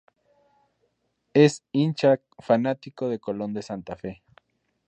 Es hincha fanático de Colón de Santa Fe.